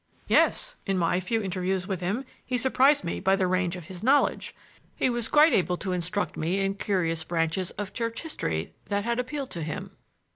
"Yes; in my few interviews with him he surprised me by the range of his knowledge. He was quite able to instruct me in certain curious branches of church history that had appealed to him."